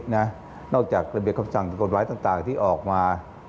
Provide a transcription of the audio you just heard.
นอกจากระเบียบคำสั่งกฎหมายต่างที่ออกมา